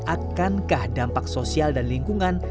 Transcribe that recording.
akankah dampak sosial dan lingkungan